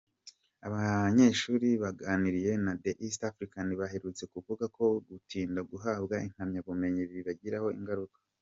Abanyeshuri baganiriye na The East African baherutse kuvuga ko gutinda guhabwa impamyabumenyi bibagiraho ingaruka.